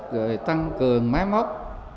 rồi tăng cường máy móc